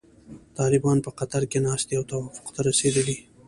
طالبان په قطر کې ناست دي او توافق ته رسیدلي.